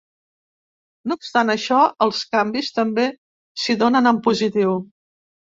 No obstant això, els canvis també s’hi donen en positiu.